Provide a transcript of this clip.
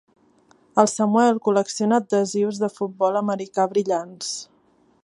El Samuel col·lecciona adhesius de futbol americà brillants.